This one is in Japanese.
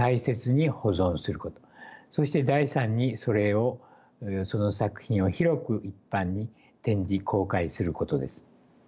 そして第三にその作品を広く一般に展示公開することです。